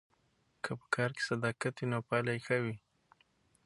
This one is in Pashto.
که په کار کې صداقت وي نو پایله یې ښه وي.